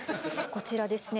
こちらですね